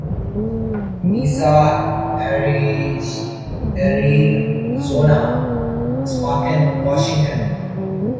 Misa Arizona Spokane Washington